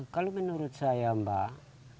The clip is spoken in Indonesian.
kalau menurut saya mbak